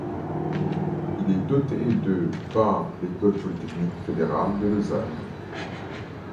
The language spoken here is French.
Il est doté de par l'École polytechnique fédérale de Lausanne.